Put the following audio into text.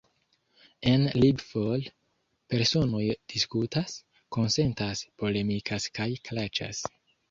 En LibFol, personoj diskutas, konsentas, polemikas kaj klaĉas.